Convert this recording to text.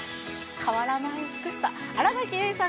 変わらない美しさ。